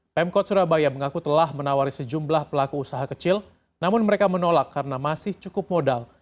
pemkot surabaya mengaku telah menawari sejumlah pelaku usaha kecil namun mereka menolak karena masih cukup modal